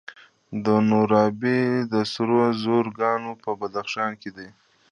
د نورابې د سرو زرو کان په بدخشان کې دی.